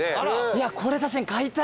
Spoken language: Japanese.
いやこれ確かに買いたい。